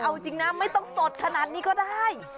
เอาจริงนะไม่ต้องสดขนาดนี้ก็ได้